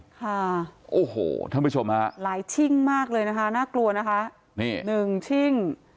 ค่ะโอ้โหท่านผู้ชมฮะหลายชิ่งมากเลยนะคะน่ากลัวนะคะนี่หนึ่งชิ่ง